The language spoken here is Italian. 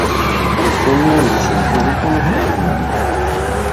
Le femmine non si riproducono tutti gli anni.